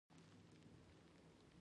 لمر په دوو ګوتو نه پټېږي